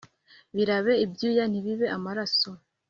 Birabe ibyuya ntibibe amaraso